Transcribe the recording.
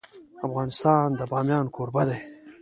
افغانستان د بامیان کوربه دی.